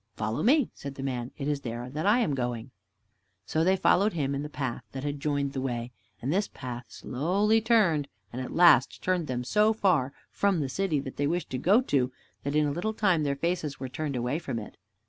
"Follow me," said the man. "It is there I am going." So they followed him in the path that had joined the way, and this path slowly turned, and at last turned them so far from the City that they wished to go to, that in a little time their faces were turned away from it.